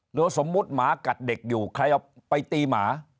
หรือสมมุติหมากัดเด็กอยู่ใครเอาไปตีหมา